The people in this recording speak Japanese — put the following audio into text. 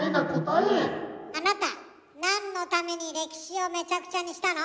あなたなんのために歴史をめちゃくちゃにしたの？